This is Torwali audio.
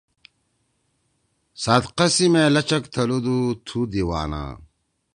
سات قسیِمے لچک تھلَدُو تُھو دیوانا“